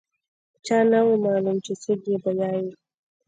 چا نه و معلوم چې څوک یې بیايي.